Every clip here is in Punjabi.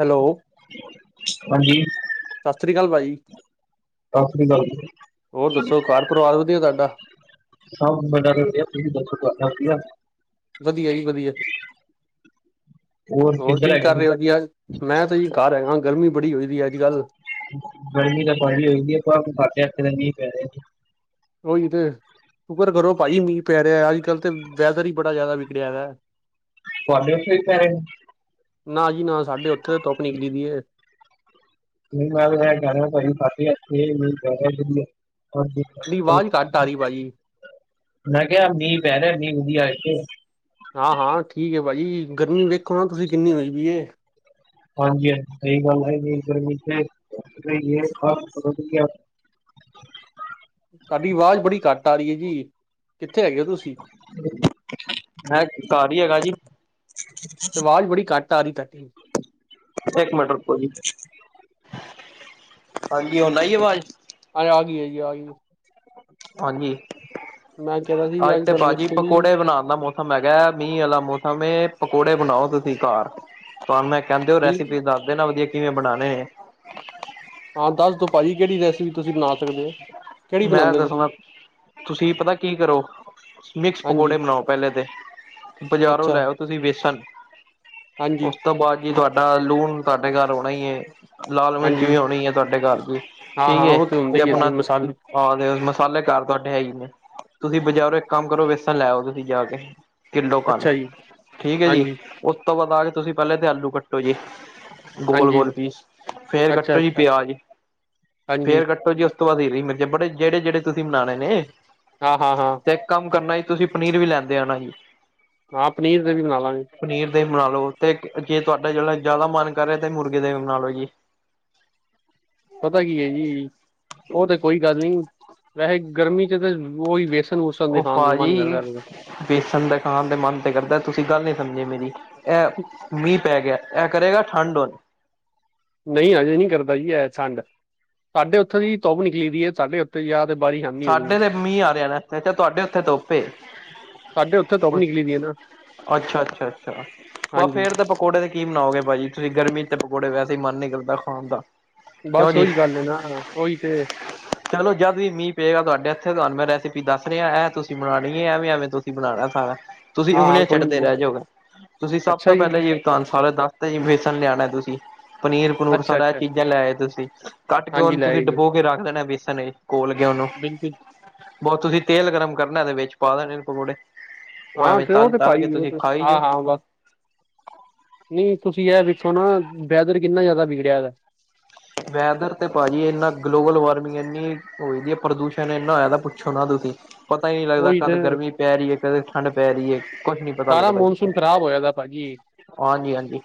ਹੈਲੋ, ਹਾਂਜੀ ਸਤਿ ਸਾਸਰੀ ਕਾਲ ਭਾਜੀ। ਸ੍ਰੀ ਅਕਾਲ ਜੀ ਹੋਰ ਦੱਸੋ ਘਰ ਪਰਿਵਾਰ ਵਧੀਆ ਤਾਡਾ। ਸਬ ਬੜਾ ਵਧੀਆ। ਤੁਸੀ ਦੱਸੋ ਤੁਆਡਾ ਵਧੀਆ। ਵਧੀਆ ਜੀ ਵਧੀਆ। ਹੋਰ ਕਿੱਧਰ ਕੀ ਹੈਗੇ ਕਰ ਸੀ ਰੇ ਓ ਜੀ ਅਜ। ਮੈਂ ਤਾਂ ਜੀ ਘਰ ਹੈਗਾ, ਗਰਮੀ ਬੜੀ ਹੋਈਦੀ ਅੱਜ-ਕੱਲ੍ਹ। ਗਰਮੀ ਤਾਂ ਭਾਜੀ ਹੋਈ ਦੀ ਐ। ਪਰ ਸਾਡੇ ਏਥੇ ਮੀਂ ਪੈ ਰਿਆ। ਓਈ ਤੇ। ਸੁਕਰ ਕਰੋ ਭਾਜੀ ਮੀਂਹ ਪੈ ਰਿਆ। ਅੱਜ-ਕੱਲ ਤੇ ਵੈਦਰ ਈ ਬੜਾ ਜਾਦਾ ਵਿਗੜਿਆ ਦਾ। ਤੁਹਾਡੇ ਏਥੇ ਵੀ ਪੈ ਰੈ। ਨਾ ਜੀ ਨਾ, ਸਾਡੇ ਓਥੇ ਧੁੱਪ ਨਿਕਲੀ ਪੀ ਏ। ਮੈ ਤੇ ਐ ਕੈ ਰਿਆਂ ਸਾਡੇ ਏਥੇ ਮੀਂਅ ਪੈ ਰਿਆ ਵਧੀਆ। ਹਾਂਜੀ ਸਾਡੀ ਆਵਾਜ਼ [unintelligible] ਘੱਟ ਆ ਰਹੀ ਭਾਜੀ ਮੈਂ ਕਿਆ ਮੀਂਅ ਪੈ ਰਿਆ ਮੀਂਅ ਵਧੀਆ ਐਥੇ। ਹਾਂ, ਹਾਂ। ਠੀਕ ਏ ਭਾ ਜੀ ਗਰਮੀ ਵੇਖੋ ਨਾ ਤੁਸੀਂ ਕਿੰਨੀ ਹੋਈ ਦੀ ਏ। ਹਾਂਜੀ ਹਾਂਜੀ ਸ‌ਈ ਗੱਲ ਆ। ਏਨੀ ਗਰਮੀ ਚ [unintelligible] ਤਾਡੀ ਵਾਜ਼ ਬੜੀ ਘੱਟ ਆ ਰੀ ਐ ਜੀ। ਕਿੱਥੇ ਹੈਗੇ ਓ ਤੁਸੀਂ। ਮੈਂ ਘਰ ਈ ਹੈਂਗਾ ਜੀ। ਤੇ ਵਾਜ਼ ਬੜੀ ਘੱਟ ਆ ਰੀ ਤਾਡੀ। ਇੱਕ ਮਿੰਟਰ ਰੁਕੋ ਜੀ। ਹਾਂਜੀ ਹੁਣ ਆਈ ਵਾਜ਼। ਆ ਗਈ ਐ ਜੀ, ਆ ਗਈ। ਹਾਂਜੀ, ਮੈਂ ਕਹਿ ਰਿਹਾ ਸੀ ਅਜ ਅੱਜ ਤੇ ਕੱਲ੍ਹ ਭਾਜੀ ਵੇਖੋ ਜੀ ਪਕੌੜੇ ਬਣਾ ਦਾ ਮੋਸ ਸਮ ਹੈਗਾ, ਮੀਂਅ ਆਲਾ ਮੌਸਮ‌ ਏ, ਪਕੌੜੇ ਬਣਾਓ ਤੁਸੀਂ ਘਾਰ। ਤੁਆਨੂੰ ਮੈਂ ਕੈਂਦੇ ਓ ਬਿਲ ਰੈਸਪੀ ਦੱਸ ਦੇ ਨਾ ਵਧੀਆ ਕਿਵੇਂ ਬਣਾਣੇ ਨੇ। ਹਾਂ ਦੱਸ ਦੋ ਭਾਜੀ ਕੇੜੀ ਰੈਸਪੀ ਤੁਸੀਂ ਬਣਾ ਸਕਦੇ ਓ। ਮੈਂ ਦੱਸਣਾ ਤੁਸੀਂ ਪਤਾ ਕੀ ਕਰੋ, ਮਿਕਸ ਹਾਂਜੀ ਪਕੌੜੇ ਬਣਾਓ ਪੈਲੇ ਤੇ। ਬਾਜ਼ਾਰੋਂ ਅੱਛਾ ਲੈ ਆਓ ਤੁਸੀਂ ਵੇਸਣ, ਹਾਂਜੀ ਉਸ ਤੋਂ ਬਾਅਦ ਕੀ ਤੁਹਾਡਾ ਲੂਣ ਤਾਡੇ ਘਰ ਹੋਣਾ ਈ ਏ ਲਾਲ ਮਿਰਚ ਹਾਂਜੀ ਵੀ ਹੋਣੀ ਏ ਤਾਡੇ ਘਾਰ ਚ ਹਾਂ ਠੀਕ ਹਾਂ ਏ ਉਹ ਹੁੰਦਾ ਤੇ ਹੀ ਹੈ ਜੀ ਆਪਣਾ ਮਸਾਲੇ ਆਗੇ ਮਸਾਲੇ ਘਰ ਤੁਆਡੇ ਹੈ ਈ ਨੇ, ਤੁਸੀਂ ਬਜ਼ਾਰੋਂ ਇੱਕ ਕੰਮ ਕਰੋ ਵੇਸਣ ਲੈ ਆਓ, ਤੁਸੀਂ ਜਾ ਕੇ। ਕਿੱਲੋ ਆਲੂ, ਅੱਛਾ ਜੀ ਠੀਕ ਏ ਜੀ, ਹਾਂਜੀ ਉਸ ਤੋਂ ਬਾਅਦ ਆ ਕੇ ਤੁਸੀਂ ਪੈਲੇ ਤੇ ਆਲੂ ਕੱਟੋ ਜੀ। ਗੋਲ ਹਾਂਜੀ ਗੋਲ ਪੀਸ, ਫੇਰ ਅੱਛਾ ਕੱਟੋ ਜੀ ਅੱਛਾ ਪਿਆਜ, ਹਾਂਜੀ ਫੇਰ ਕੱਟੋ ਜੀ ਉਸ ਤੋਂ ਬਾਅਦ ਹੀਰੀ ਮਿਰ- ਜ ਬੜੇ ਜੇੜੇ, ਜੇੜੇ ਤੁਸੀਂ ਬਣਾਣੇ ਨੇ। ਹਾਂ- ਹਾਂ- ਹਾਂ। ਇਕ ਕੰਮ ਕਰਨਾ ਜੀ, ਤੁਸੀਂ ਪਨੀਰ ਵੀ ਲੈਂਦੇ ਆਣਾ ਜੀ। ਹਾਂ ਪਨੀਰ ਤੇ ਵੀ ਬਣਾ ਲਾਂਗੇ। ਪਨੀਰ ਦੇ ਵੀ ਬਣਾ ਲੋ, ਤੇ ਜੇ ਤੁਹਾਡਾ ਜਿਹੜਾ ਜ਼ਿਆਦਾ ਮਨ ਕਰ ਰਿਹਾ ਤੇ ਮੁਰਗੇ ਦੇ ਵੀ ਬਣਾ ਲੋ ਜੀ। ਪਤਾ ਕੀ ਹੈ ਜੀ, ਉਹ ਤਾਂ ਕੋਈ ਗੱਲ ਨੀ, ਵੈਸੇ ਗਰਮੀ 'ਚ ਤਾਂ ਉਹੀ ਵੇਸ ਸ ਦੇ ਖਾਨ ਦੇ ਮਨ ਕਰਦਾ। [unintelligible] ਵੇਸਣ ਦਾ ਖਾਣ ਦੇ ਮਨ ਤੇ ਕਰਦਾ, ਤੁਸੀਂ ਗੱਲ ਨੀ ਸਮਝੇ ਮੇਰੀ, ਇਹ ਮੀਂਹ ਪੈ ਗਿਆ ਇਹ ਕਰੇਗਾ ਠੰਡ ਹੁਣ ਨਹੀਂ ਅਜੇ ਨੀ ਕਰਦਾ ਜੀ ਇਹ ਠੰਡ, ਸਾਡੇ ਉੱਥੋਂ ਦੀ ਧੁੱਪ ਨਿਕਲੀ ਹੋਈ ਹੈ ਸਾਡੇ ਉੱਥੋਂ ਤੇ ਯਾ ਤਬਾਹੀਆ। ਸਾਡੇ ਤੇ ਮੀਂਹ ਆ ਰਿਹਾ ਇੱਥੇ, ਤੁਹਾਡੇ ਉੱਥੇ ਧੁੱਪ ਹ ਸਾਡੇ ਉੱਥੇ ਧੁੱਪ ਨਿਕਲੀ ਦੀ ਹੈ ਨਾ ਅੱਛਾ- ਅੱਛਾ- ਅੱਛਾ, ਬਸ ਹਾਂਜੀ ਫੇਰ ਤਾ ਪਕ ਪਕੌੜੇ ਤੇ ਕੀ ਬਣਾਓਗੇ ਭਾਜੀ ਤੁਸੀਂ, ਗਰਮੀ 'ਚ ਪਕੌੜੇ ਵੈਸੇ ਮਨ ਨਹੀਂ ਕਰਦਾ ਖਾਣ ਦਾ। ਕਿਉਂ ਬਸ ਜੀ ਉਹੀ ਗੱਲ ਹੈ ਨਾ, ਉਹੀ ਤੇ ਚੱਲੋ ਜਦ ਵੀ ਮੀਂਹ ਪਏਗਾ ਤੁਹਾਡੇ ਇੱਥੇ, ਤੁਹਾਨੂੰ ਮੈਂ ਰੈਸਪੀ ਦੱਸ ਰਿਹਾ, ਇਹਂ ਤੁਸੀਂ ਬਣਾਉਣੀ ਹੈ ਐਵੇਂ -ਐਵੇਂ ਤੁਸੀਂ ਬਣਾਉਣਾ ਸਾਰਾ। ਤੁਸੀਂ ਹਾਂ ਹਾਂ ਉਂਗਲੀਆਂ ਕੋਈ ਚਟਦੇ ਨੀ। ਰਹਿ ਜਾਓਗੇ, ਤੁਸੀਂ ਸਭ ਅੱਛਾ ਤੋਂ ਜੀ ਪਹਿਲੇ ਹੀ ਤੁਹਾਨੂੰ ਸਾਰੇ ਦੱਸਦੇ ਜੀ, ਵੇਸਣ ਲਿਆਣਾ ਤੁਸੀਂ ਪਨੀਰ ਪਨੂੂਰ ਸਾਰਾ ਅੱਛਾ-ਅੱਛਾ ਚੀਜ਼ਾਂ ਲੈਏ ਤੁਸੀਂ, ਕੱਟ ਕੇ ਹਾਂਜੀ ਹੁਣ ਲੈ ਤੁਸੀਂ ਜੀ ਡਬੋ ਕੇ ਰੱਖ ਦੇਣਾ ਬੇਸਨ ਵਿੱਚ ਕੋੋਲ ਕੇ ਉਹਨੂੰ ਬਿਲਕੁਲ। ਬਹੁਤ ਤੁਸੀਂ ਤੇਲ ਗਰਮ ਕਰਨਾ, ਤੇ ਵਿੱਚ ਪਾ ਦੇਣੇ ਪਕੌੜੇ। ਹਾਂ ਐਵੇਂ ਤੇ ਉਹ ਤੇ ਤਲ-ਤਲ ਕੇ ਪਾਈ, ਉਹ ਤੁਸੀਂ ਖਾਈ ਹਾਂ ਜਾਓ ਹਾਂ ਬ ਨਹੀਂ ਤੁਸੀਂ ਇਹ ਵੇਖੋ ਨਾ, ਵੈਦਰ ਕਿੰਨਾ ਜ਼ਿਆਦਾ ਵਿਗੜਿਆ ਹੈ। ਵੈਦਰ ਤੇ ਭਾਜੀ ਇੰਨਾ, ਗਲੋਬਲ ਵਾਰਮਿੰਗ ਇੰਨੀ ਹੋਦੀ ਹੈ, ਪ੍ਰਦੂਸ਼ਣ ਇੰਨਾ ਹੋਇਆ ਪੁੱਛੋ ਨਾ ਤੁਸੀਂ! ਪਤਾ ਹੀ ਨਹੀਂ ਲੱਗਦਾ, ਉਹੀ ਕਦ ਤੇ ਗਰਮੀ ਪੈ ਰਹੀ ਹੈ, ਕਦ ਠੰਢ ਪੈ ਰਹੀ ਹੈ। ਕੁਛ ਨੀ ਪਤਾ ਸਾਰਾ ਲੱਗਦਾ ਜੀ, ਮੌਨਸੂਨ ਖ਼ਰਾਬ ਹੋਇਆ ਦਾ ਭਾਜੀ ਹਾਂਜੀ ਹਾਂਜੀ।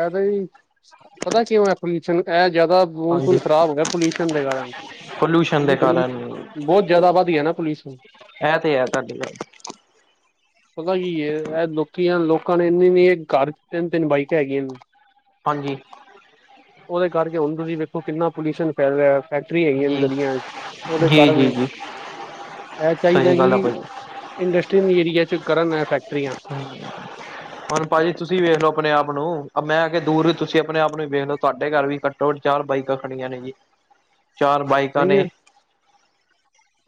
ਐ ਤਾ ਜੀ, ਪਤਾ ਕਿਉਂ ਹੈ ਪੋਲਿਊਸ਼ਨ? ਇਹ ਜ਼ਿਆਦਾ ਮੌਨਸੂਨ ਹਾਂਜੀ ਖਰਾਬ ਹੋ ਗਿਆ, ਪੋਲਿਊਸ਼ਨ ਦੇ ਕਾਰਨ। ਪੋਲਿਊਸ਼ਨ ਕਿਉਂਕਿ ਦੇ ਕਾਰਨ ਪੋਲੂਸ਼ਨ, ਬਹੁਤ ਜਿਆਦਾ ਵੱਧ ਗਿਆ ਨਾ ਪੋਲੂਸ਼ਨ ਇਹਂ ਤੇ ਹੈ, ਤੁਹਾਡੀ ਪਤਾ ਕੀ ਇਹ, ਲੋਕੀਆਂ ਲੋਕਾਂ ਨੇ ਇੰਨੀ ਨੀ ਇਹ ਘਰ ਤਿੰਨ ਤਿੰਨ ਬਾਈਕਾ ਹੈਗੀਆਂ ਨੇ। ਹਾਂਜੀ। ਉਹਦੇ ਕਰਕੇ ਹੁਣ ਤੁਸੀਂ ਵੇਖੋ, ਕਿੰਨਾ ਪੋਲਿਊਸ਼ਨ ਫੈ ਫੈਕਟਰੀਆਂ ਹੈਗੀਆਂ ਨੇ ਜੀ ਗਲੀਆ 'ਚ, ਉਹਦੇ ਜੀ ਜੀ ਕਾਰਨ ਜੀ ਇਹ ਚਾਹੀਦਾ ਸਹੀ ਗੱਲ ਆ ਕਿ, ਭਾਜੀ ਇੰਡਸਟਰੀ ਏਰੀਏ 'ਚ ਕਰਨ ਇਹ ਫੈਕਟਰੀਆਂ ਹੁਣ ਭਾਜੀ ਤੁਸੀਂ ਵੇਖ ਲੋ ਆਪਣੇ ਆਪ ਨੂੰ, ਮੈਂ ਕੇ ਦੂਰ ਵੀ ਤੁਸੀਂ ਆਪਣੇ ਆਪ ਨੂੰ ਵੇਖ ਲੋ ਤੁਹਾਡੇ ਘਰ ਵੀ ਦੋ, ਚਾਰ ਬਾਈਕਾਂ ਖੜੀਆਂ ਨੇ ਜੀ। ਚਾਰ ਬਾਈਕਾਂ ਨਹੀਂ ਆ ਨੇ,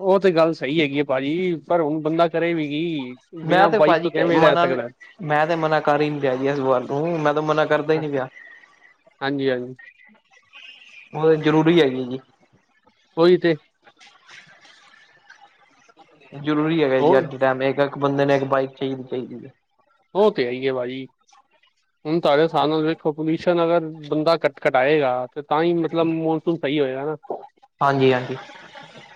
ਉਹ ਤੇ ਗੱਲ ਸਹੀ ਹੈਗੀ ਹੈ ਭਾਜੀ, ਪਰ ਹੁਣ ਬੰਦਾ ਕਰੇ ਵੀ ਕੀ। ਮੈਂ ਬਿਨਾਂ ਤੇ ਬਾਈਕ ਤੋਂ ਭਾਜੀ ਕਿਵੇਂ ਰਹਿ ਮਨਾ ਸਕਦਾ? ਮੈਂ ਤੇ ਮਨਾ ਕਰ ਹੀ ਨੀ ਰਿਹਾ ਆ ਜੀ, ਇਸ ਵੱਲ ਤੋ ਮੈਂ ਤਾਂ ਮਨਾ ਕਰਦਾ ਹੀ ਨੀ ਪਿਆ, ਹਾਂਜੀ -ਹਾਂਜੀ ਉਹ ਤਾਂ ਜ਼ਰੂਰੀ ਹੈਗੀ ਜੀ, ਉਹੀ ਤੇ, ਜ਼ਰੂਰੀ ਹੈਗਾ ਜੀ ਅੱਜ ਉਹ ਦੇ ਟਾਈਮ ਇੱਕ ਇੱਕ ਬੰਦੇ ਨੇਇੱਕ ਬਾਈਕ ਚਾਹੀਦੀ -ਚਾਹੀਦੀ ਐ, ਉਹ ਤੇ ਹੈਈ ਹੈ ਬਾਈ, ਹੁਣ ਤੁਹਾਡੇ ਹਿਸਾਬ ਨਾਲ ਵੇਖ, ਪੋਲਿਊਸ਼ਨ ਅਗਰ ਬੰਦਾ ਕੱਟ -ਕਟਾਏਗਾ, ਤੇ ਤਾ ਈ ਮਤਲਬ ਮੌਨਸੂਨ ਸਹੀ ਹੋਏਗਾ ਹਨਾ, ਹਾਂਜੀ ਹਾਂਜੀ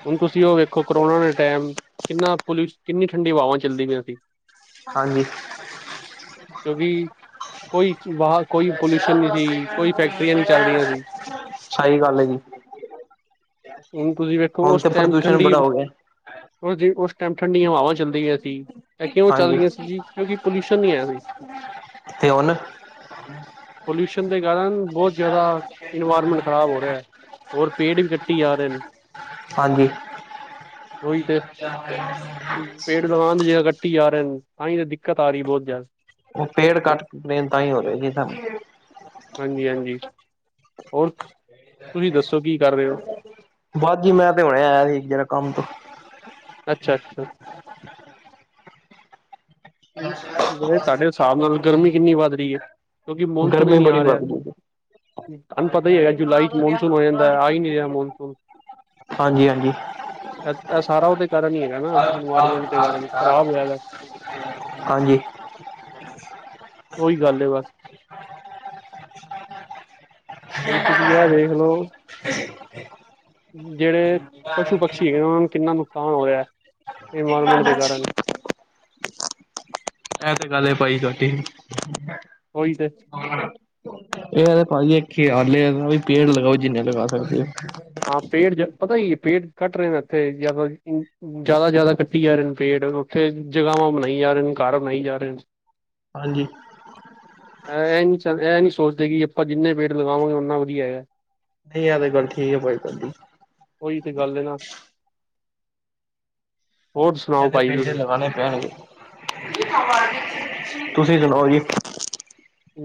ਹੁਣ ਤੁਸੀਂ ਉਹ ਵੇਖੋ ਕਰੋਨਾ ਦੇ ਟਾਈਮ ਕਿੰਨਾ ਪੁਲਿਊਸ਼ ਕਿੰਨੀ ਠੰਡੀ ਹਵਾਵਾਂ ਚੱਲਦੀ ਪਈਆਂ ਸੀਂ। ਹਾਂਜੀ। ਕਿਉਂਕਿ ਕੋਈ ਵਾਹ ਕੋਈ ਪੋਲਿਊਸ਼ਨ ਨਹੀਂ ਸੀ, ਕੋਈ ਫੈਕਟਰੀਆਂ ਨਹੀਂ ਚੱਲ ਰਹੀਆਂ ਸੀ। ਸਹੀ ਗੱਲ ਆ ਜੀ, ਹੁਣ ਤੁਸੀਂ ਵੇਖੋ ਹੁਣ ਤੇ ਪ੍ਰਦੂਸ਼ਣ ਬੜਾ ਹੋ ਗਿਆ। ਉਹ ਜੇ ਉਸ ਟਾਈਮ ਠੰਡੀਆਂ ਹਵਾਵਾਂ ਚੱਲ ਰਹਿਆ ਸੀ, ਏ ਕਿਉਂ ਚੱਲ ਹਾਂਜੀ ਰਹਿਆ ਸੀ ਜੀ? ਕਿਉਂਕਿ ਪੋਲਿਊਸ਼ਨ ਨਹੀਂ ਆ ਰਹੀ। ਹਮ ਪੋਲਿਊਸ਼ਨ ਦੇ ਕਾਰਨ ਬਹੁਤ ਜ਼ਿਆਦਾ ਇਨਵਾਇਰਮੈਂਟ ਖ਼ਰਾਬ ਹੋ ਰਿਹਾ ਐ, ਹੋਰ ਪੇੜ ਵੀ ਕੱਟੀ ਜਾ ਰਹੇ ਨੇ, ਹਾਂਜੀ। ਓਹੀ ਤੇ ਪੇੜ ਲਵਾਂਨ ਦੀ ਜਗਾ ਕੱਟੀ ਜਾ ਰਹੇ ਤਾਂਹੀ ਤੇ ਦਿ ਕਤਾਰੀ ਬਹੁਤ ਜ਼ਿਆਦਾ, ਉਹ ਪੇੜ ਕੱਟਣ ਤਾਂ ਹੀ ਹੋ ਰਿਹਾ ਜੀ ਸਾਨੂੰ। ਹਾਂਜੀ ਹਾਂਜੀ ਹੋਰ, ਤੁਸੀਂ ਦੱਸੋ ਕੀ ਕਰ ਰਹੇ ਹੋ? ਬਸ ਜੀ ਮੈਂ ਤੇ ਹੁਣੀ ਆਇਆ ਸੀ ਜਰਾ ਕੰਮ ਤੋਂ। ਅੱਛਾ -ਅੱਛਾ ਹੁ ਮੈ ਕਿਹਾ ਜੀ ਤੁਹਾਡੇ ਹਿਸਾਬ ਨਾਲ ਗਰਮੀ ਕਿੰਨੀ ਵੱਧ ਰਹੀ ਏ? ਕਿਉਂਕਿ ਮੌਨਸੂਨ ਹੀ ਗਰਮੀ ਨਹੀਂ ਬੜੀ ਆ ਰਿਹਾ। ਵੱਧ ਗਈ ਤੁਹਾਨੂੰ ਪਤਾ ਹੀ ਹੈਗਾ ਜੁਲਾਈ ਚ ਮ ਮੌਨਸੂਨ ਹੋ ਜਾਂਦਾ, ਆ ਹੀ ਨ ਨਹੀਂ ਰਿਹਾ ਮੌਨਸੂਨ। ਹਾਂਜੀ ਹਾਂਜੀ ਅ- -ਸਾਰਾ ਉਹਦੇ ਕਾਰਨ ਹੀ ਹੈਗਾ ਨਾ, ਇਨਵਾਇਰਮੈਂਟ ਦੇ ਕਾਰਨ ਖਰਾਬ ਹੋਇਆ ਦਾ, ਹਾਂਜੀ। ਉਹੀ ਗੱਲ ਹੈ, ਬਸ। ਹੁਣ ਤੁਸੀਂ ਇਹ ਵੇਖ ਲਓ [unintelligible] ਜਿਹੜੇ ਪਸ਼ੂ ਪਕਸ਼ੀ ਹੈਗੇ, ਉਹਨਾਂ ਨੂੰ ਕਿੰਨਾ ਨੁਕਸਾਨ ਹੋ ਰਿਹਾ, ਇਨਵਾਇਰਮੈਂਟ ਦੇ ਕਾਰਨ, ਏ ਤੇ ਗੱਲ ਏ ਬਾਈ ਜਗੀ, ਉਹੀ ਤੇ, ਏ ਭਾਜੀ ਏਥੇ ਆ ਪੇੜ ਲਗਾਓ ਜਿੰਨੇ ਲਗਾ ਸਕਦੇ ਹੋ। ਹਾਂ, ਪੇੜ ਜ ਪਤਾ ਹੀ ਹੈ ਪੇੜ ਘੱਟ ਰਹੇ ਨੇ ਇੱਥੇ ਜਿਆਦਾ ਜ਼ਿਆਦਾ -ਜ਼ਿਆਦਾ ਕੱਟੀ ਜਾ ਰਹੇ ਨੇ ਪੇੜ, ਉੱਥੇ ਜਗ੍ਹਾਵਾਂ ਬਣਾਈ ਜਾ ਰਹੇ ਨੇ, ਘਰ ਬਣਾਈ ਜਾ ਰਹੇ ਨੇ, ਹਾਂਜੀ। ਇਹ ਨਹੀਂ -ਇਹ ਨਹੀਂ ਸੋਚਦੇ ਕਿ ਆਪਾਂ ਜਿੰਨੇ ਪੇੜ ਲਗਾਵਾਂਗੇ ਉਨਾ ਵਧੀਆ ਹੈਗਾ। ਨਹੀਂ ਆ ਤੇ ਗੱਲ ਠੀਕ ਹੈ ਭਾਈ ਤੁਹਾਡੀ। ਉਈ ਤੇ ਗੱਲ ਐ ਨਾ, ਹੋਰ ਇਹ ਸੁਣਾਓ ਤੇ ਭਾਜੀ ਪੇਜੇ ਤੁਸੀਂ ਲਗਾਣੇ ਪੈਣਗੇ, ਤੁਸੀਂ ਸੁਣਾਓ ਜੀ।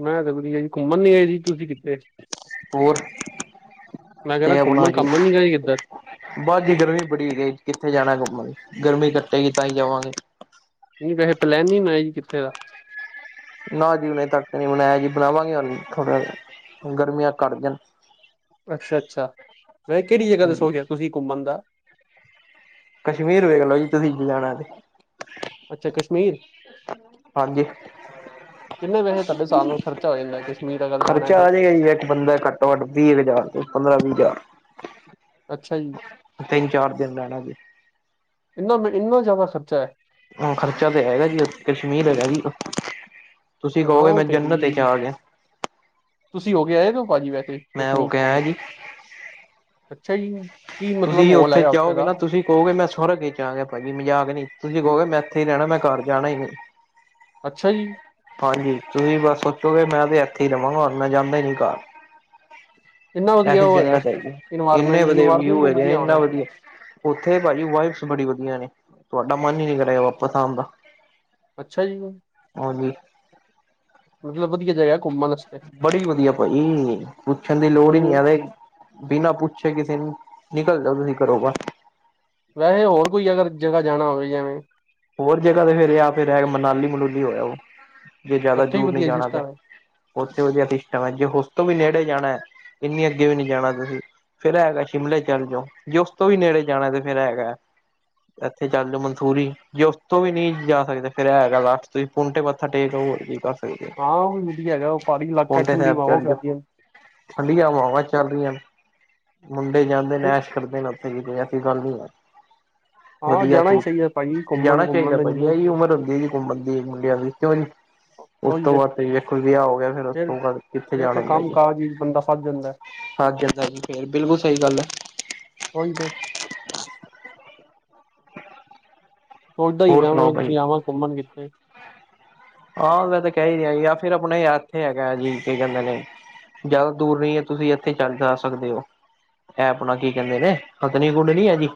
ਮੈਂ ਤਾਂ ਵਧੀਆ ਜੀ ਘੁੰਮਣ ਨੀ ਆਏ ਜੀ ਤੁਸੀਂ ਕਿੱਤੇ? ਹੋਰ ਮੈਂ ਕਹਿੰਦਾ ਤੇ ਆਪਣਾ ਘੁੰਮਣ ਜੀ ਘਾਮਣ ਨੀ ਗਏ ਕਿੱਧਰ। ਬਸ ਜੀ ਗਰਮੀ ਬੜੀ ਹੈਗੀ ਕਿੱਥੇ ਜਾਣਾ ਘੁੰਮਣ ਗਰਮੀ ਘਟੇਗੀ ਤਾਂ ਹੀ ਜਾਵਾਂਗੇ। ਨਹੀਂ ਵੈਸੇ ਪਲੈਨਿੰਗ ਬਣਾਈ ਕਿੱਥੇ ਦਾ। ਨਾ ਜੀ ਹਲੇ ਤੱਕ ਨਹੀਂ ਬਣਾਇਆ ਜੀ, ਬਣਾਵਾਂਗੇ ਹਲੇ ਥੋੜ੍ਹਾ ਗਰਮੀਆਂ ਘੱਟ ਜਾਣ। ਅੱਛਾ -ਅੱਛਾ ਵੈਸੇ ਕਿਹੜੀ ਜਗ੍ਹਾ ਹਾਂਜੀ ਦੱਸੋ ਗਿਆ ਤੁਸੀਂ ਘੁੰਮਣ ਦਾ! ਕਸ਼ਮੀਰ ਵੇਖਲੋ ਜੀ ਤੁਸੀਂ ਜਾਣਾ ਤੇ। ਅੱਛਾ ਕਸ਼ਮੀਰ। ਹਾਂਜੀ। ਕਿੰਨੇ ਵੈਸੇ ਤੁਹਾਡੇ ਸਾਲ ਨੂੰ ਖਰਚਾ ਹੋ ਜਾਂਦਾ ਕਸ਼ਮੀਰ ਅਗਰ ਜਾਣਾ ਖਰਚਾ ਤੇ? ਆ ਜਾਏਗਾ ਜੀ ਇੱਕ ਬੰਦਾ ਘੱਟੋ ਘੱਟ ਤੀਹ ਹਜ਼ਾਰ ਪੰਦਰਾਂ ਵੀਹ ਹਜ਼ਾਰ। ਅੱਛਾ ਜੀ, ਤਿੰਨ ਚਾਰ ਦਿਨ ਰਹਿਣਾ ਜੀ। ਇਨਾ ਮ ਇੰਨਾ ਜ਼ਿਆਦਾ ਖਰਚਾ ਹੈ। ਹੁਣ ਖਰਚਾ ਤਾਂ ਹੈਗਾ ਜੀ ਕਸ਼ਮੀਰ ਹੈਗਾ ਜੀ। ਤੁਸੀਂ ਹਾਂ ਕਹੋਗੇ ਉਹ ਮੈਂ ਤੇ ਹੈ ਜੰਨਤ ਹੀ ਵਿਚ ਜੀ ਆ ਗਿਆ। ਤੁਸੀਂ ਹੋ ਕੇ ਆਏ ਭਾਜੀ ਵੈਸੇ? ਮੈਂ ਕਸ਼ਮੀਰ ਹੋਕੇ ਘੁੰਮ ਆਇਆ ਜੀ ਅੱਛਾ ਜੀ, ਕੀ ਮਤਲਬ ਤੁਸੀਂ ਮਾਹੌਲ ਹੈਗਾ ਉੱਥੇ ਜਾਓਗੇ ਦਾ? ਨਾ ਤੁਸੀਂ ਕਹੋਗੇ, ਮੈਂ ਸਵਰਗ ਦੇਖਕੇ ਆ ਗਿਆ, ਭਾਜੀ! ਮਜ਼ਾਕ ਨਹੀਂ, ਤੁਸੀਂ ਕਹੋਗੇ, ਮੈਂ ਇੱਥੇ ਹੀ ਰਹਿਣਾ, ਮੈਂ ਘਰ ਜਾਣਾ ਹੀ ਨਹੀਂ। ਅੱਛਾ ਜੀ। ਹਾਂਜੀ, ਤੁਸੀਂ ਬਸ ਸੋਚੋਗੇ, ਮੈਂ ਤਾਂ ਇੱਥੇ ਹੀ ਰਵਾਂਗਾ ਮੈਂ ਜਾਂਦਾ ਹੀ ਨੀ ਘਰ। ਇੰਨਾ ਵਧੀਆ ਐਸੀ ਉਹ ਹੈਗਾ ਜੰਨਤ ਹੈਗੀ! ਇੰਨੇ ਇਨਵਾਇਰਮੈਂਟ ਵਧੀਆ ਇਨਵਾਇਰਮੈਂਟ ਵਿਊ ਵੀ ਹੈਗੇ, ਇੰਨਾ ਹੋਣਾ ਵਧੀਆ! ਉੱਥੇ, ਭਾਜੀ, ਵਾਈਬਜ਼ ਬੜੀਆਂ ਵਧੀਆ ਨੇ। ਤੁਹਾਡਾ ਮਨ ਹੀ ਨਹੀਂ ਕਰੇਗਾ ਵਾਪਸ ਆਉਣ ਦਾ। ਅੱਛਾ ਜੀ, ਹਾਂਜੀ ਮਤਲਬ ਵਧੀਆ ਜਗ੍ਹਾ ਘੁੰਮਣ ਆਸਤੇ। ਬੜੀ ਵਧੀਆ ਭਾਜੀ ਪੁੱਛਣ ਦੀ ਲੋੜ ਹੀ ਕੋਈ ਨਹੀਂ ਨੀ ਐਵੇ। ਬਿਨਾਂ ਪੁੱਛੇ ਕਿਸੇ ਨੂੰ ਨਿਕਲ ਜਾਓ, ਤੁਸੀਂ ਘਰੋ ਬਾਹਰ? ਵੈਸੇ, ਹੋਰ ਕੋਈ ਅਗਰ ਜਗ੍ਹਾ ਜਾਣਾ ਹੋਵੇ, ਐੰਵੇੰ। ਹੋਰ ਜਗ੍ਹਾ ਤੇ ਫਿਰ ਜਾ ਫਿਰ ਮਨਾਲੀ ਮਨੂਲੀ ਹੋ ਆਉ ਜੇ ਜ਼ਿਆਦਾ ਉੱਥੇ ਹੀ ਦੂਰ ਨਹੀਂ ਵਧੀਆ ਜਾਣਾ ਤੇ ਸਿਸਟਮ ਹੈ ਉਥੇ ਵਧੀਆ ਸਿਸਟਮ ਹੈ ਜੇ ਉਸ ਤੋਂ ਵੀ ਨੇੜੇ ਜਾਣਾ ਹੈ ਇੰਨੀ ਅੱਗੇ ਵੀ ਨਹੀਂ ਜਾਣਾ ਤੁਸੀਂ। ਫੇਰ ਐ ਹੈਗਾ ਸ਼ਿਮਲੇ ਚੱਲ ਜਾਓ ਜੇ ਉਸ ਤੋ ਵੀ ਨੇੜੇ ਜਾਣਾ ਤੇ ਫਿਰ ਐ ਹੈਗਾ। ਇੱਥੇ ਚੱਲ ਜਾਓ ਮਨਸੂਰੀ। ਜੇ ਉਸ ਤੋ ਵੀ ਨਹੀਂ ਜਾ ਸਕਦੇ ਫੇਰ ਐ ਹੈਗਾ ਲਾਸਟ ਤੁਸੀਂ ਪੋੰਟੇ ਮੱਥਾ ਟੇਕ ਆੳ ਹੋ ਕੀ ਬਸ। ਹਾਂ ਉਹ ਵੀ ਵਧੀਆ ਹੈਗਾ ਉਹ ਪਹਾੜੀ ਇਲਾਕਾ ਪੋਂਟੇ ਠੰਡੀ ਸਾਹਿਬ ਹਵਾਵਾਂ ਚੱਲ ਜਾਓ ਚੱਲਦੀਆ। ਠੰਡੀਆਂ ਹਵਾਵਾਂ ਚੱਲ ਰਹੀਆਂ ਮੁੰਡੇ ਜਾਂਦੇ ਨੇ ਹੈ ਐਸ਼ ਕਰਦੇ ਨੇ। ਫਿਰ ਵੀ ਕੋਈ ਐਸੀ ਗੱਲ ਨਹੀਂ ਹੈ। ਹਾਂ ਵਧੀਆ ਜਾਣਾ ਵੀ ਤਰੀਕੇ ਚਾਹੀਦਾ। ਭਾਜੀ ਘੁੰਮਣ ਜਾਣਾ ਘੁੰਮਣ ਚਾਹੀਦਾ ਦਾ ਭਾਜੀ ਜੀਵਨ ਇਹੀ ਉਮਰ ਹੁੰਦੀ ਜੀ ਘੁੰਮਣ ਦੀ ਮੁੰਡਿਆਂ ਦੀ ਕਿਉਂ ਜੀ। ਉਸ ਉਹੀ ਤੋਂ ਤੇ ਬਾਅਦ ਵੇਖੋ ਵਿਆਹ ਹੋ ਗਿਆ ਫਿਰ ਉਸ ਤੋਂ ਬਾਅਦ ਕਿੱਥੇ ਫਿਰ ਜਾਣਾ ਤੇ ਹੁੰਦਾ ਕੰਮ ਜੀ। ਕਾਜ ਹੀ ਬੰਦਾ ਫਸ ਜਾਂਦਾ ਹੈ। ਹਾਂਜੀ ਹਜੀ ਫੇਰ ਬਿਲਕੁਲ ਸਹੀ ਗੱਲ ਹੈ। ਉਹੀ ਤੇ। ਸੋਚਦਾ ਹੀ ਹੋਰ ਪਿਆ ਹਾਂ, ਸੁਣਾਓ ਮੈਂ ਭਾਜੀ ਜਾਵਾਂ ਘੁੰਮਣ ਕਿੱਥੇ? ਆਂ ਮੈਂ ਤੇ ਕਹਿ ਹੀ ਰਿਹਾ ਜੀ ਫਿਰ ਆਪਣੇ ਯਾਰ ਇੱਥੇ ਹੈਗਾਜੀ ਕੀ ਕਹਿੰਦੇ ਨੇ ਜਿਆਦਾ ਦੂਰ ਨਹੀਂ ਹੈ ਤੁਸੀਂ ਇੱਥੇ ਚੱਲ ਜਾ ਸਕਦੇ ਹੋ। ਐ ਆਪਣਾ ਕੀ ਕਹਿੰਦੇ ਨੇ ਹੱਥਨੀ ਘੁੰਡ ਨਹੀਂ ਹੈ ਜੀ।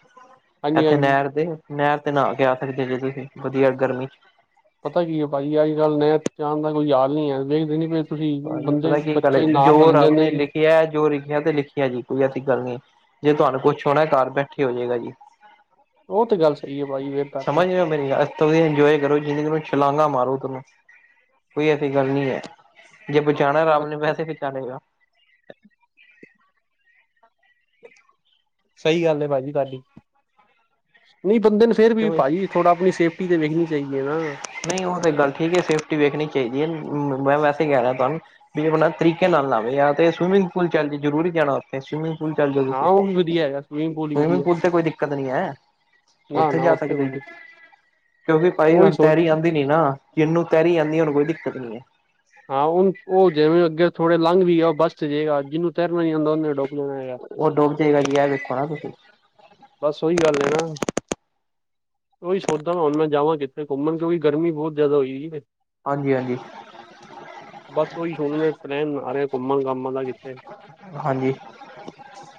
ਹਾਂਜੀ ਇੱਥੇ ਹਾਂਜੀ ਨਹਿਰ ਤੇ ਨਹਿਰ ਤੇ ਨਾਹ ਕੇ ਆ ਸਕਦੇ, ਜੇ ਤੁਸੀਂ ਵਧੀਆ ਗਰਮੀ 'ਚ। ਪਤਾ ਕੀ ਹੈ, ਭਾਜੀ ਅੱਜ, ਕੱਲ੍ਹ ਨਹਿਰ 'ਚ ਜਾਣ ਦਾ ਕੋਈ ਹਾਲ ਨਹੀਂ ਹੈ ਵੇਖਦੇ ਨੀ ਪਏ। ਤੁਸੀਂ ਭਾਜੀ ਬੰਦੇ ਪਤਾ ਕੀ ਗੱਲ ਏ, ਬੱਚੇ ਜੋ ਨਾਲ ਲੰਘ ਰਬ ਜਾਂਦੇ ਨੇ ਲਿਖਿਆ ਜੋ ਲਿਖਿਆ ਤੇ ਲਿਖਿਆ। ਜੀ ਹਾਜੀਂ ਕੋਈ ਐਸੀ ਗੱਲ ਨੀ ਹੈਗੀ, ਜੇ ਤੁਹਾਨੂੰ ਕੁੱਛ ਹੋਣਾ ਘਰ ਬੈਠੇ ਹੋ ਜਾਏਗਾ ਜੀ। ਉਹ ਤਾਂ ਗੱਲ ਸਹੀ ਹੈ, ਭਾਜੀ ਫੇਰ ਤਾਂ। ਸਮਝ ਰਹੇ ਹੋ ਇਸ ਤੋ ਵਧੀਆ ਇੰਜੋਏ ਕਰੋ, ਜਿਣੀ ਮਰਜੀ ਛਲਾਂਘਾ ਮਾਰੋ ਤੂੰਰੋ, ਕੋਈ ਐਸੀ ਗੱਲ ਨੀ ਹੈ। ਜੇ ਬਚਾਣਾ ਰੱਬ ਨੇ, ਵੈਸੇ ਬਚਾਲੇ ਗਾ। [unintelligible] ਸਹੀ ਗੱਲ ਹੈ ਭਾਜੀ ਤੁਹਾਡੀ, ਨਹੀਂ ਬੰਦੇ ਨੂੰ ਫੇਰ ਵੀ ਕਿਉਂ ਭਾਜੀ, ਥੋੜਾ ਆਪਣੀ ਸੇਫਟੀ ਤੇ ਵੇਖਣੀ ਚਾਹੀਦੀ ਹੈ ਨਾ। ਨਹੀਂ ਉਹ ਤਾਂ ਗੱਲ ਠੀਕ ਹੈ, ਸੇਫਟੀ ਵੇਖਣੀ ਚਾਹੀਦੀ ਹੈ। ਮੈਂ ਵੈਸੇ ਹੀ ਕਹਿ ਰਿਹਾ ਤੁਹਾਨੂੰ ਵੀ ਆਪਣਾ ਤਰੀਕੇ ਨਾਲ ਨਾਵੇ ਯਾ ਤੇ ਸਵਿਮਿੰਗ ਪੂਲ ਚੱਲ ਜਾ, ਜਰੂਰੀ ਜਾਣਾ ਉੱਥੇ, ਸਵਿਮਿੰਗ ਪੂਲ ਚੱਲ ਜਾ ਹਾਂ ਤੁਸੀਂ, ਉਹ ਵੀ ਵਧੀਆ ਹੈਗਾ ਸਵੀਮਿੰਗ ਹੀ ਸਵਿਮਿੰਗ ਵਧੀਆ ਪੂਲ ਤੇ ਕੋਈ ਦਿੱਕਤ ਨੀ ਹੈ। ਨਾ ਉੱਥੇ ਨਾ ਜਾ ਸਕਦੇ, ਕੋਈ ਕਿਉਂਕਿ ਭਾਜੀ ਉਹੀ ਹੁਣ ਸੋਚ ਤੈਰੀ ਆਉਂਦੀ ਨੀ ਨਾ। ਜਿਹਨੂੰ ਤੈਰੀ ਆਦੀਂ, ਉਨੂੰ ਕੋਈ ਦਿੱਕਤ ਨੀ ਹੈ। ਹਾਂ ਉਹਣ ਉਹ ਜਿਵੇਂ ਅੱਗੇ ਥੋੜੇ ਲੰਘ ਵੀ ਜਾੳ ਉਹ ਬੱਚ ਤੇ ਜੇਗਾ, ਜਿਹਨੂੰ ਤੈਰਨਾ ਨਹੀਂ ਆਉਂਦਾ ਉਹਨੇ ਡੁੱਬ ਜਾਣਾ ਹੈਗਾ। ਉਹ ਡੁੱਬ ਜੇਗਾ ਜੀ, ਇਹ ਵੇਖੋ ਨਾ ਤੁਸੀਂ। ਬਸ ਓਹੀ ਗੱਲ ਹੈ ਨਾ। ਉਹੀ ਸੋਚਦਾ ਹੁਣ ਮੈਂ ਜਾਵਾਂ ਕਿੱਥੇ ਘੁੰਮਣ, ਕਿਉਂਕਿ ਗਰਮੀ ਬਹੁਤ ਜ਼ਿਆਦਾ ਹੋਈ ਈ ਏ। ਹਾਂਜੀ, ਹਾਂਜੀ। ਬਸ ਓਹੀ ਹੁਣ ਮੈਂ ਪਲੈਨ ਬਣਾ ਰਿਹਾ, ਘੁੰਮਣ ਘਾਮਣ ਦਾ ਕਿੱਥੇ ਹਾਂਜੀ।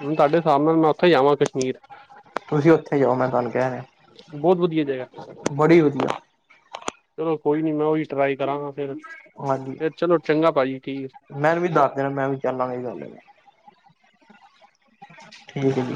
ਹੁਨ ਮੈ ਤੁਹਾਡੇ ਹਿਸਾਬ ਨਾਲ, ਮੈਂ ਉੱਥੇਂ ਹੀ ਜਾਵਾਂ ਕਸ਼ਮੀਰ। ਤੁਸੀਂ ਉੱਥੇ ਜਾਓ, ਮੈਂ ਤੁਹਾਨੂੰ ਕਹਿ ਰਿਹਾ। ਬਹੁਤ ਵਧੀਆ ਜਗ੍ਹਾ, ਬੜੀ ਵਧੀਆ ਚਲੋ ਕੋਈ ਨਹੀਂ, ਮੈਂ ਉਹੀ ਟਰਾਈ ਕਰਾਂਗਾ ਫਿਰ। ਹਾਂਜੀ ਫੇਰ ਚਲੋ ਚੰਗਾ ਭਾਜੀ, ਠੀਕ। ਮੈਨੂੰ ਵੀ ਦੱਸ ਦੇਣਾ, ਮੈਂ ਵੀ ਚੱਲ ਲਾਂਗਾ ਤੁਹਾਡੇ ਨਾਲ। ਠੀਕ ਹੈ ਜੀ।